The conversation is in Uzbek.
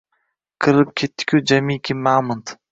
Qirilib ketdi-ku jamiki mamont.